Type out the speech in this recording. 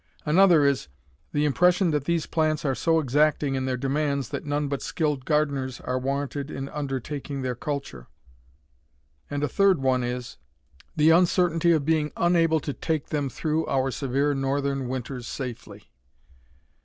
Another is: The impression that these plants are so exacting in their demands that none but skilled gardeners are warranted in undertaking their culture. And a third one is: The uncertainty of being unable to take them through our severe Northern winters safely.